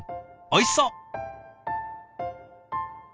おいしそう！